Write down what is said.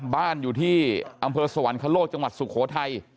บ้านอยู่ที่อำเภอสวรรคโลกจังหวัดสุโขทัย